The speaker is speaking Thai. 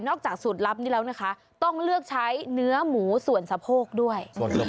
จากสูตรลับนี้แล้วนะคะต้องเลือกใช้เนื้อหมูส่วนสะโพกด้วย